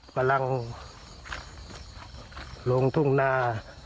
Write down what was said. กำลังลงทุ่งนา